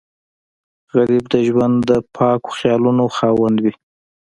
غریب د ژوند د پاکو خیالونو خاوند وي